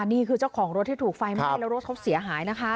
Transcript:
นี่คือเจ้าของรถที่ถูกไฟไหม้แล้วรถเขาเสียหายนะคะ